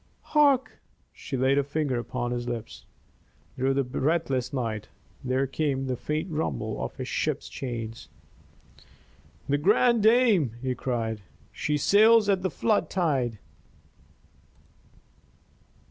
"Hark!" She laid a finger upon his lips. Through the breathless night there came the faint rumble of a ship's chains. "The Grande Dame!" he cried. "She sails at the flood tide."